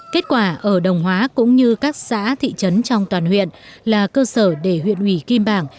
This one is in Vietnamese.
kết quả ở đồng hóa cũng như các xã thị trấn trong toàn huyện là cơ sở để huyện ủy kim bảng